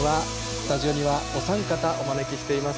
スタジオには、お三方お招きしています。